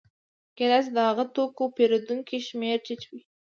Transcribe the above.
کېدای شي د هغه توکو د پېرودونکو شمېره ټیټه وي